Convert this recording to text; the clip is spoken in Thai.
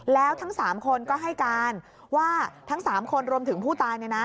แล้วทั้ง๓คนก็ให้การว่าทั้ง๓คนรวมถึงผู้ตาย